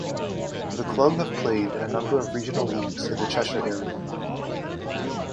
The club have played in a number of regional leagues in the Cheshire area.